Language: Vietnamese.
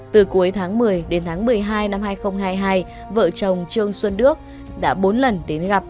từ cuối tháng một mươi đến tháng một mươi hai năm hai nghìn hai mươi hai vợ chồng trương xuân đức đã bốn lần đến gặp